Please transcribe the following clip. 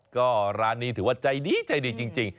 ก็ร้านนี้ถือว่าใจดีใจดีจริง